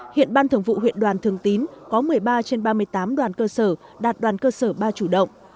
hiện ban thường vụ huyện đoàn thường tín có một mươi ba trên ba mươi tám đoàn cơ sở đạt đoàn cơ sở ba chủ động